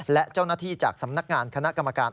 และเจ้าหน้าที่จากสำนักงานคณะกรรมการ